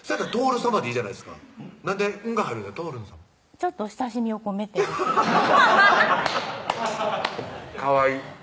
ちょっと親しみを込めてです